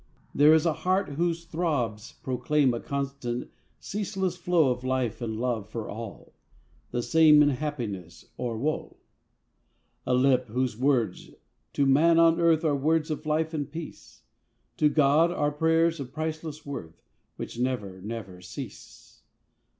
There is a heart, whose throbs proclaim A constant, ceaseless flow Of life and love for all; the same In happiness or woe. A lip, whose words to man on earth, Are words of life and peace; To God, are prayers of priceless worth, Which never, never cease.